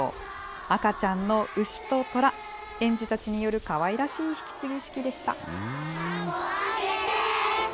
赤ちゃんの牛と虎、園児たちによるかわいらしい引き継ぎ式でした。